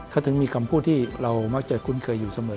เขาถึงมีคำพูดที่เรามักจะคุ้นเคยอยู่เสมอ